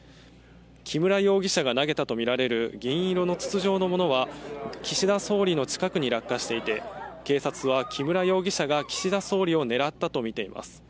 木村容疑者が投げたとみられる銀色の筒状のものは岸田総理の近くに落下していて、警察は木村容疑者が岸田総理を狙ったとみています。